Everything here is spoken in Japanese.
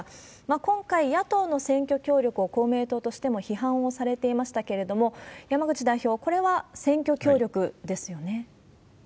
今回、野党の選挙協力を公明党としても批判をされていましたけれども、山口代表、これは選挙協力ですよね。